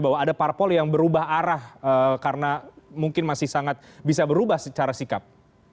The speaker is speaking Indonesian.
bahwa ada parpol yang berubah arah karena mungkin masih sangat bisa berubah secara sikap